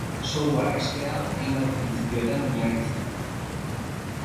Software askea, hainbat printzipiotan oinarritzen da.